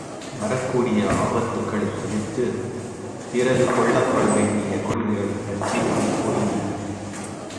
வரக்கூடிய ஆபத்துக்களை தவிர்த்து, பிறகு கொள்ளப்பட வேண்டிய கொள்கைகளைப் பற்றி அவை கூறின.